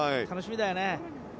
楽しみだよね。